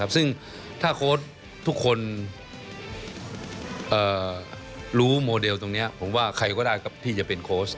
ซึ่งถ้าโค้ชทุกคนรู้โมเดลตรงนี้ผมว่าใครก็ได้ที่จะเป็นโค้ช